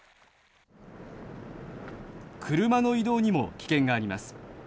車の移動にも危険があります。